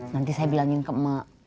nanti saya bilangin ke emak